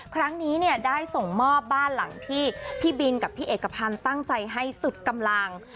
ครั้งนี้เนี่ยได้ส่งมอบบ้านหลังที่พี่บินกับพี่เอกพันธ์ตั้งใจให้สุดกำลัง